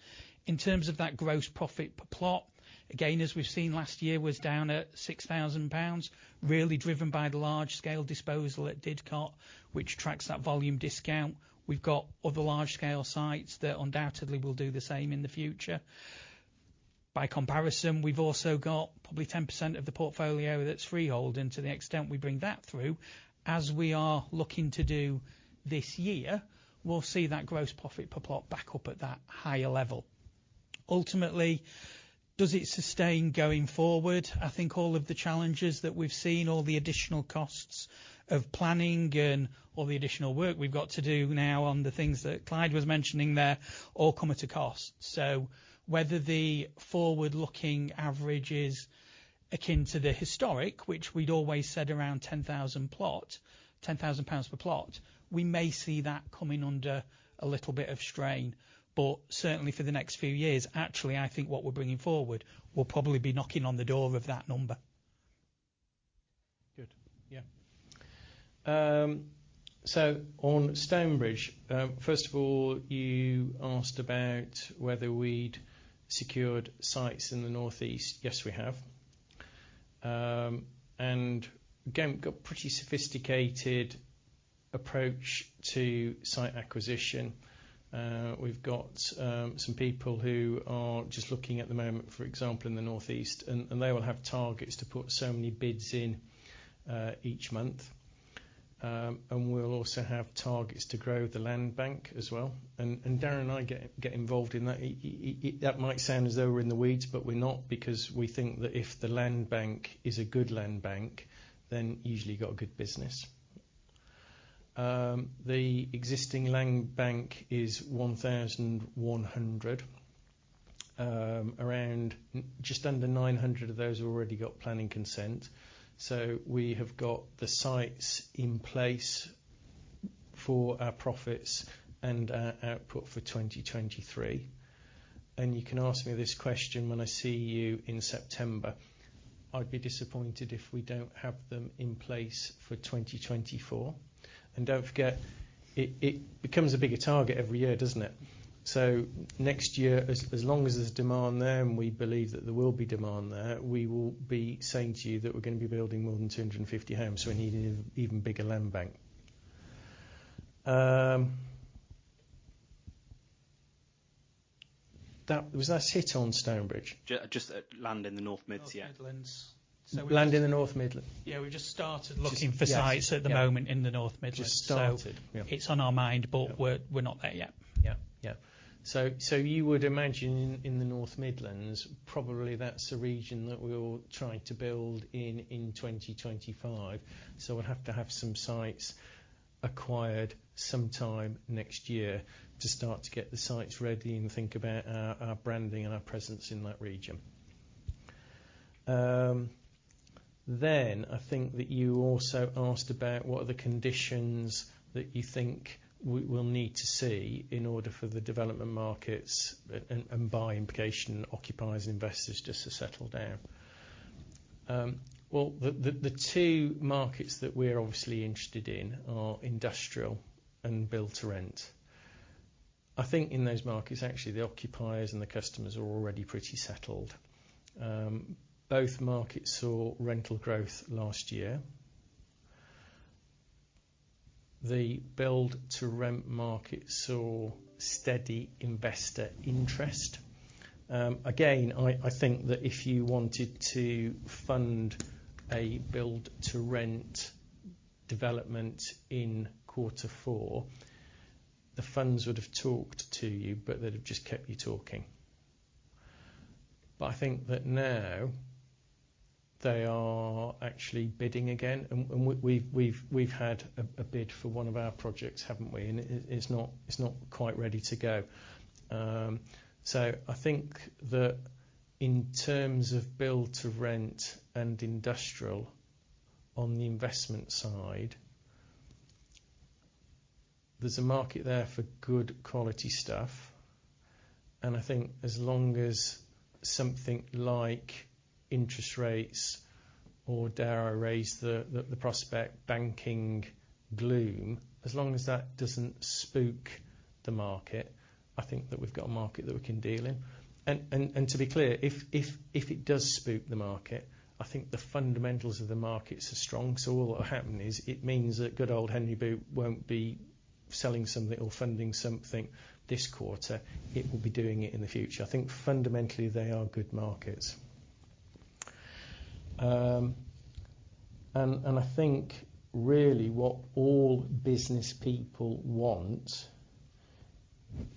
Speaker 2: In terms of that gross profit per plot, again, as we've seen last year, was down at 6 thousand pounds, really driven by the large scale disposal at Didcot, which tracks that volume discount. We've got other large scale sites that undoubtedly will do the same in the future. By comparison, we've also got probably 10% of the portfolio that's freehold. To the extent we bring that through, as we are looking to do this year, we'll see that gross profit per plot back up at that higher level. Ultimately, does it sustain going forward? I think all of the challenges that we've seen, all the additional costs of planning and all the additional work we've got to do now on the things that Clyde was mentioning there all come at a cost. Whether the forward-looking average is akin to the historic, which we'd always said around 10,000 per plot, we may see that coming under a little bit of strain. Certainly for the next few years, actually, I think what we're bringing forward will probably be knocking on the door of that number.
Speaker 1: Good. Yeah. so on Stonebridge, first of all, you asked about whether we'd secured sites in the North-East. Yes, we have. Again, we've got pretty sophisticated approach to site acquisition. We've got some people who are just looking at the moment, for example, in the North-East, they all have targets to put so many bids in each month. We'll also have targets to grow the land bank as well. Darren and I get involved in that. That might sound as though we're in the weeds, but we're not because we think that if the land bank is a good land bank, then usually you got a good business. The existing land bank is 1,100. Around just under 900 of those already got planning consent. We have got the sites in place for our profits and our output for 2023. You can ask me this question when I see you in September. I'd be disappointed if we don't have them in place for 2024. Don't forget, it becomes a bigger target every year, doesn't it? Next year, as long as there's demand there, and we believe that there will be demand there, we will be saying to you that we're gonna be building more than 250 homes, so we need an even bigger land bank. Was that hit on Stonebridge?
Speaker 7: Just land in the North Midlands, yeah.
Speaker 2: North Midlands.
Speaker 1: Land in the North Midlands.
Speaker 2: Yeah, we've just started looking for sites at the moment in the North Midlands.
Speaker 1: Just started.
Speaker 2: It's on our mind, but we're not there yet.
Speaker 1: Yeah. Yeah. You would imagine in the North Midlands, probably that's a region that we'll try to build in in 2025. We'll have to have some sites acquired some time next year to start to get the sites ready and think about our branding and our presence in that region. I think that you also asked about what are the conditions that you think we will need to see in order for the development markets, and by implication, occupiers and investors just to settle down. Well, the two markets that we're obviously interested in are industrial and build to rent. I think in those markets, actually, the occupiers and the customers are already pretty settled. Both markets saw rental growth last year. The build to rent market saw steady investor interest. Again, I think that if you wanted to fund a build to rent development in quarter four, the funds would have talked to you, but they'd have just kept you talking. I think that now they are actually bidding again. We've had a bid for one of our projects, haven't we? It's not quite ready to go. I think that in terms of build to rent and industrial on the investment side, there's a market there for good quality stuff. I think as long as something like interest rates or dare I raise the prospect banking gloom, as long as that doesn't spook the market, I think that we've got a market that we can deal in. To be clear, if it does spook the market, I think the fundamentals of the markets are strong. All that'll happen is it means that good old Henry Boot won't be selling something or funding something this quarter. It will be doing it in the future. I think fundamentally, they are good markets. I think really what all business people want,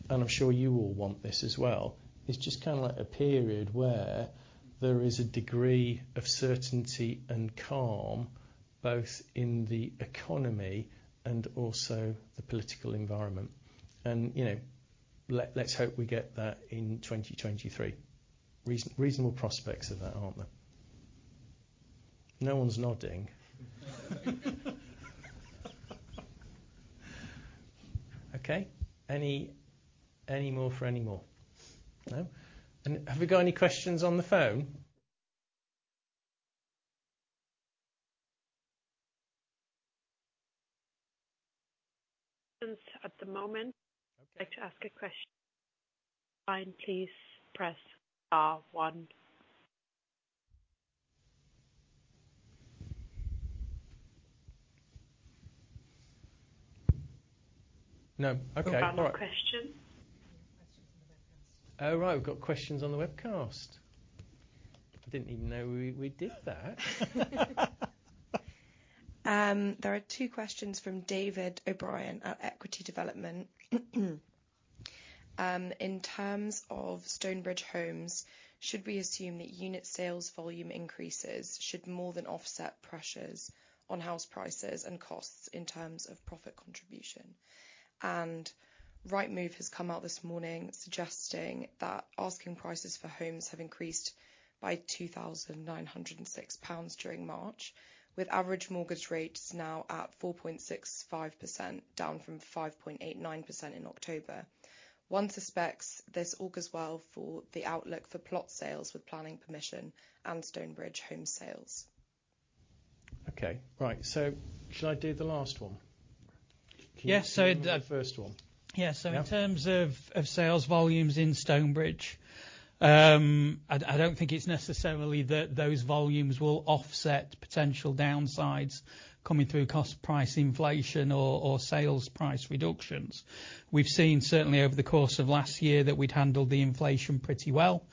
Speaker 1: and I'm sure you all want this as well, is just kinda like a period where there is a degree of certainty and calm, both in the economy and also the political environment. You know, let's hope we get that in 2023. Reasonable prospects of that, aren't there? No one's nodding. Okay. Any more for any more? No. Have we got any questions on the phone?
Speaker 8: At the moment.
Speaker 1: Okay.
Speaker 8: Like to ask a question, line, please press star one.
Speaker 1: No. Okay. All right.
Speaker 8: One more question.
Speaker 9: Questions on the webcast.
Speaker 1: Oh, right. We've got questions on the webcast. Didn't even know we did that.
Speaker 9: There are two questions from David O'Brien at Equity Development.
Speaker 10: In terms of Stonebridge Homes, should we assume that unit sales volume increases should more than offset pressures on house prices and costs in terms of profit contribution? Rightmove has come out this morning suggesting that asking prices for homes have increased by 2,906 pounds during March, with average mortgage rates now at 4.65%, down from 5.89% in October. One suspects this augurs well for the outlook for plot sales with planning permission and Stonebridge Homes sales.
Speaker 1: Okay. Right. Should I do the last one?
Speaker 2: Yes.
Speaker 1: The first one.
Speaker 2: Yeah. In terms of sales volumes in Stonebridge, I don't think it's necessarily that those volumes will offset potential downsides coming through cost price inflation or sales price reductions. We've seen certainly over the course of last year that we'd handled the inflation pretty well,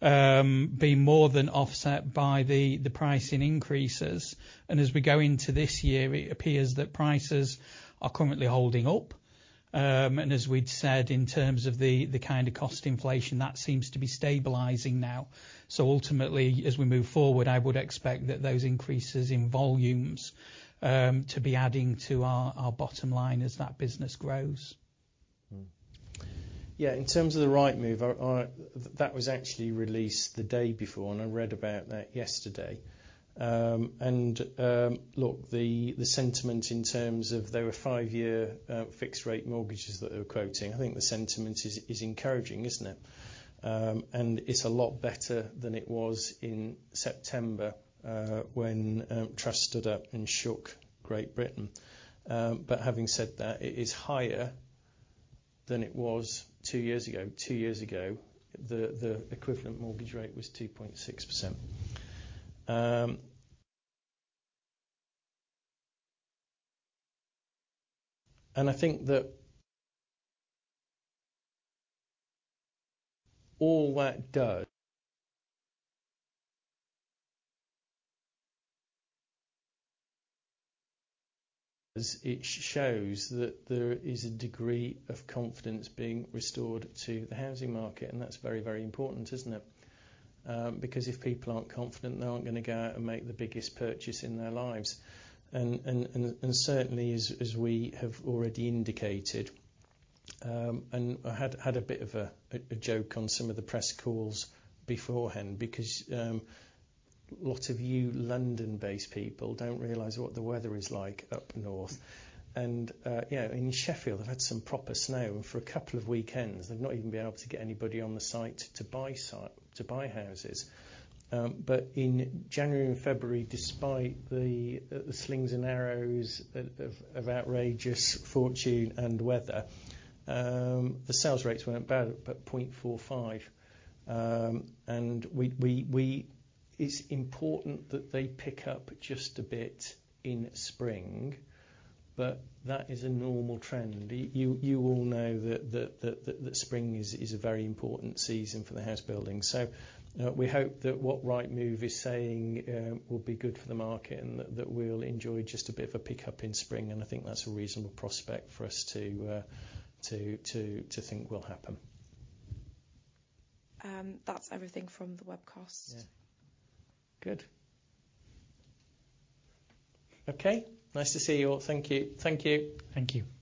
Speaker 2: being more than offset by the pricing increases. As we go into this year, it appears that prices are currently holding up. As we'd said, in terms of the kind of cost inflation, that seems to be stabilizing now. Ultimately, as we move forward, I would expect that those increases in volumes to be adding to our bottom line as that business grows.
Speaker 1: Yeah, in terms of the Rightmove, that was actually released the day before, and I read about that yesterday. Look, the sentiment in terms of their five-year fixed rate mortgages that they're quoting, I think the sentiment is encouraging, isn't it? It's a lot better than it was in September, when Truss stood up and shook Great Britain. Having said that, it is higher than it was two years ago. Two years ago, the equivalent mortgage rate was 2.6%. I think that all that does, it shows that there is a degree of confidence being restored to the housing market, and that's very, very important, isn't it? Because if people aren't confident, they aren't gonna go out and make the biggest purchase in their lives. Certainly as we have already indicated, and I had a bit of a joke on some of the press calls beforehand because a lot of you London-based people don't realize what the weather is like up north. You know, in Sheffield, they've had some proper snow. For a couple of weekends, they've not even been able to get anybody on the site to buy houses. In January and February, despite the slings and arrows of outrageous fortune and weather, the sales rates weren't bad at 0.45. It's important that they pick up just a bit in spring, but that is a normal trend. You all know that spring is a very important season for the house building. We hope that what Rightmove is saying will be good for the market and that we'll enjoy just a bit of a pickup in spring, and I think that's a reasonable prospect for us to think will happen.
Speaker 9: That's everything from the webcast.
Speaker 1: Yeah. Good. Okay. Nice to see you all. Thank you. Thank you.
Speaker 2: Thank you.